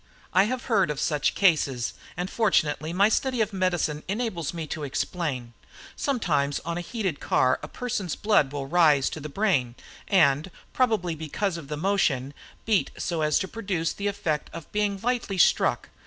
I have heard of such cases, and fortunately my study of medicine enables me to explain. Sometimes on a heated car a person's blood will rise to the brain and, probably because of the motion, beat so as to produce the effect of being lightly struck.